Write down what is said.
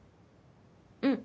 うん。